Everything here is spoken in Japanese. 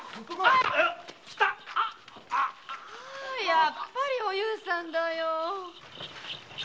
やっぱりおゆうさんだよ。